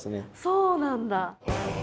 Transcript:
そうなんだ。